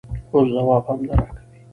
اوس ځواب هم نه راکوې؟